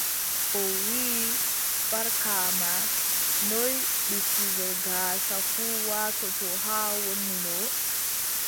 O wii, Barkaama, noy listibel gaasa fuu waatoto haa wonino?